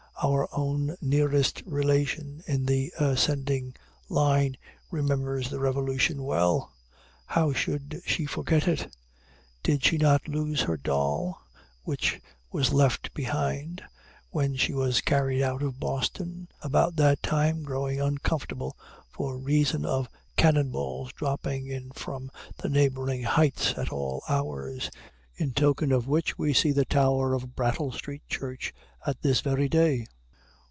Our own nearest relation in the ascending line remembers the Revolution well. How should she forget it? Did she not lose her doll, which was left behind, when she was carried out of Boston, about that time growing uncomfortable by reason of cannon balls dropping in from the neighboring heights at all hours, in token of which see the tower of Brattle Street Church at this very day?